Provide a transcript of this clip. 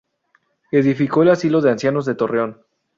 Edificó el Asilo de Ancianos de Torreón.